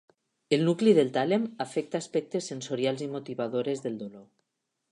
El nucli del tàlem afecta aspectes sensorials i motivadores del dolor.